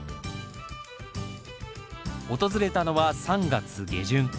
訪れたのは３月下旬。